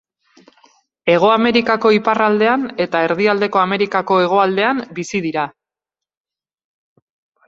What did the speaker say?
Hego Amerikako iparraldean eta Erdialdeko Amerikako hegoaldean bizi dira.